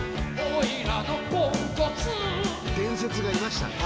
伝説がいましたね。